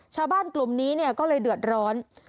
ชาวบ้านกลุ่มนี้เนี่ยก็เลยเดือดร้อน